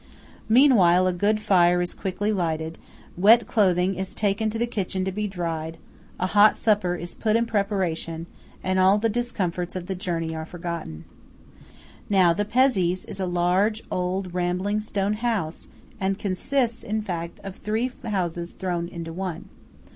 Meanwhile a good fire is quickly lighted; wet clothing is taken to the kitchen to be dried; a hot supper is put in preparation; and all the discomforts of the journey are forgotten. Now the Pezzé's is a large old rambling stone house, and consists, in fact, of three houses thrown into one.